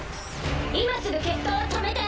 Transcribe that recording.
今すぐ決闘を止めて！